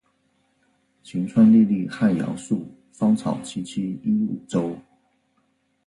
晴川历历汉阳树，芳草萋萋鹦鹉洲。